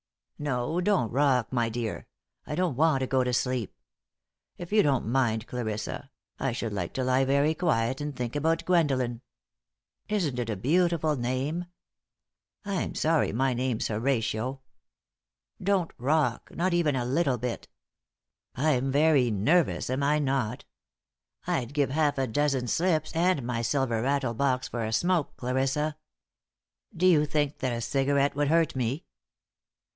No, don't rock, my dear. I don't want to go to sleep. If you don't mind, Clarissa, I should like to lie very quiet and think about Gwendolen. Isn't it a beautiful name? I'm sorry my name's Horatio. Don't rock, not even a little bit. I'm very nervous, am I not? I'd give half a dozen slips and my silver rattlebox for a smoke, Clarissa. Do you think that a cigarette would hurt me?"